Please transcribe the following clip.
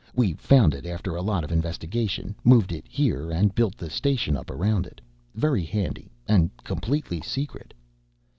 We found it after a lot of investigation, moved it here, and built the station up around it. Very handy. And completely secret."